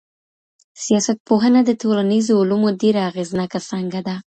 سياستپوهنه د ټولنيزو علومو ډېره اغېزناکه څانګه ده.